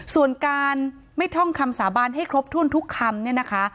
ส่วนการไม่ท่องคำสาบานให้ครบทุนทุกคำ